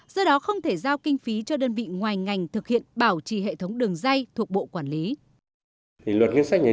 do đó không thể giao kinh phí cho đơn vị ngoài ngành thực hiện bảo trì hệ thống đường dây thuộc bộ quản lý